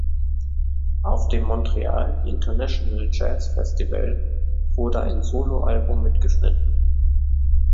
Auf dem Montreal International Jazz Festival wurde ein Solo-Album mitgeschnitten.